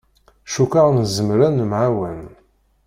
Cukkeɣ nezmer ad nemεawan.